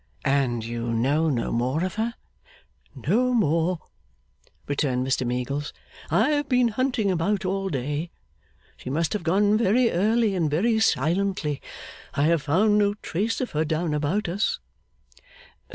'And you know no more of her?' 'No more,' returned Mr Meagles. 'I have been hunting about all day. She must have gone very early and very silently. I have found no trace of her down about us.